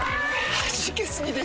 はじけすぎでしょ